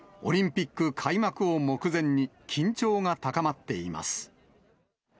オリンピック開幕を目前に、緊張が高まっています。